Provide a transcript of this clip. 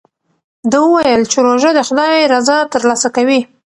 ده وویل چې روژه د خدای رضا ترلاسه کوي.